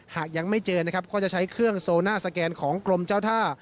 หากยังไม่เจอนะครับก็จะใช้เครื่องโซน่าสแกนของกรมเจ้าท่า